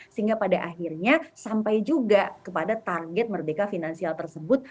sehingga pada akhirnya sampai juga kepada target merdeka finansial tersebut